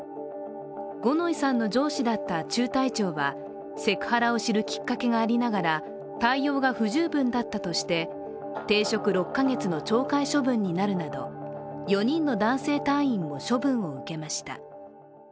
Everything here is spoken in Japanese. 五ノ井さんの上司だった中隊長はセクハラを知るきっかけがありながら対応が不十分だったとして停職６か月の懲戒処分になるなど４人の男性隊員も処分を受けました。